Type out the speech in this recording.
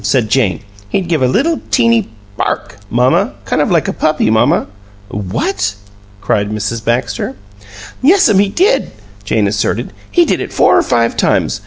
said Jane. "He'd give a little, teeny BARK, mamma kind of like a puppy, mamma." "What?" cried Mrs. Baxter. "Yes'm, he did!" Jane asserted. "He did it four or five times.